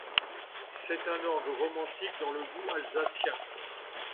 C'est un orgue romantique dans le goût alsacien.